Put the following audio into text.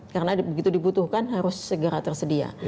karena begitu dibutuhkan harus segera tersedia